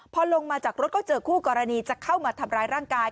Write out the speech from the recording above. พอลงมาจากรถก็เจอคู่กรณีจะเข้ามาทำร้ายร่างกาย